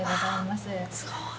すごい。